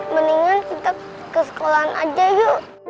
mendingan kita ke sekolahan aja yuk